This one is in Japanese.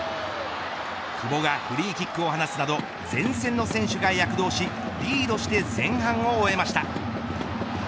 久保がフリーキックを放つなど前線の選手が躍動しリードして前半を終えました。